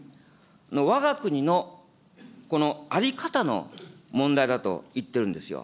わが国のこの在り方の問題だと言っているんですよ。